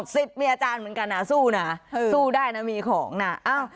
มีอาจารย์เหมือนกันนะสู้นะสู้ได้นะมีของนะ